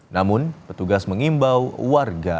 namun petugas mengimbau warga